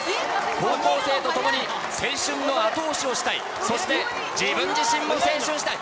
高校生と共に、青春の後押しをしたい、そして自分自身も成長したい。